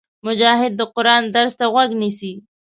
مجاهد د قرآن درس ته غوږ نیسي.